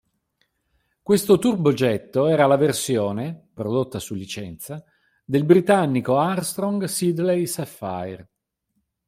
Questo turbogetto era la versione, prodotta su licenza, del britannico Armstrong Siddeley Sapphire.